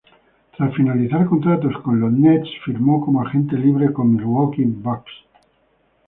Tras finalizar contrato con los Nets, firmó como agente libre con Milwaukee Bucks.